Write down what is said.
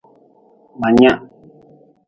Ma nyea.